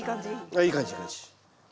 あっいい感じいい感じ。